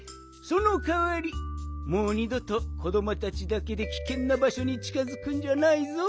そのかわりもう２どと子どもたちだけできけんなばしょにちかづくんじゃないぞ。